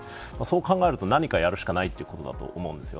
そう考えると、何かをやるしかないということだと思います。